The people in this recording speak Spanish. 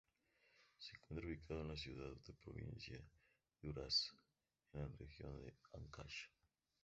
Se encuentra ubicado en la ciudad y provincia de Huaraz, en la región Áncash.